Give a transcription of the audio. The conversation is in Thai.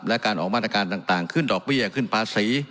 และการออกมาตรการต่างขึ้นดอกเบี้ยขึ้นภาษี